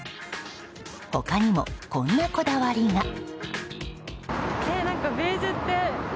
他にもこんなこだわりが。